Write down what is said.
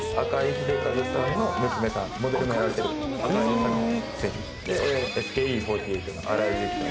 英和さんの娘さんモデルもやられてる赤井沙希選手ＳＫＥ４８の荒井優希さん